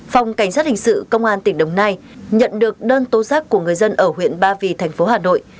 phòng cảnh sát hình sự công an tỉnh đồng nai nhận được đơn tố giác của người dân ở huyện ba vì thành phố hà nội